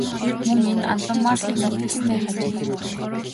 Мөн энд Антоммарки задлан шинжилгээ хийсэн удаатай.